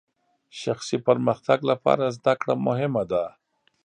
شخصي پرمختګ لپاره زدهکړه مهمه ده.